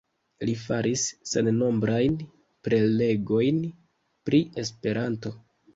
Li faris sennombrajn prelegojn pri Esperanto.